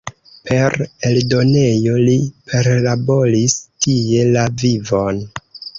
Per eldonejo li perlaboris tie la vivon.